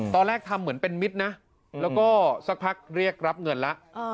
ตอนแรกทำเหมือนเป็นมิตรนะแล้วก็สักพักเรียกรับเงินแล้ว